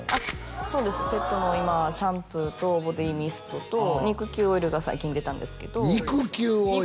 そうですペットの今シャンプーとボディーミストと肉球オイルが最近出たんですけど肉球オイル？